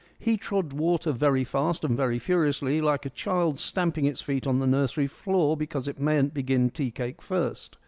He trod water very fast and very furiously, like a child stamping its feet on the nursery floor because it mayn't begin tea cake first.